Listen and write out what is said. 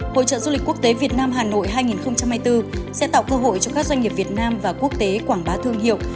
hội trợ du lịch quốc tế việt nam hà nội hai nghìn hai mươi bốn sẽ tạo cơ hội cho các doanh nghiệp việt nam và quốc tế quảng bá thương hiệu